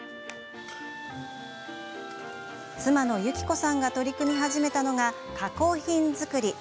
妻の有希子さんが取り組み始めたのが、加工品作り。